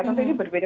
tentu ini berbeda